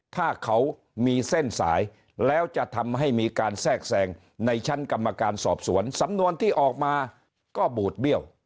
ถ้าเขามีเส้นสายแล้วจะทำให้มีการแทรกแทรงในชั้นกรรมการสอบสวนสำนวนที่ออกมาก็บูดเบี้ยว